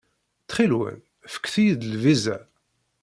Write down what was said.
Ttxil-wen, fket-iyi-d lviza.